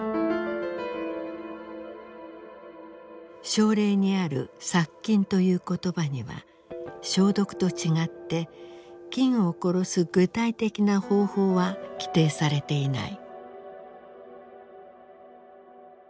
省令にある「殺菌」という言葉には「消毒」と違って菌を殺す具体的な方法は規定されていない。